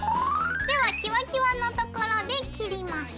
ではキワキワのところで切ります。